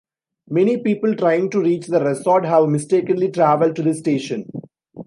Many people trying to reach the resort have mistakenly travelled to this station.